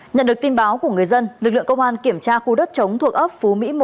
nhận được tin báo của người dân lực lượng công an kiểm tra khu đất chống thuộc ấp phú mỹ một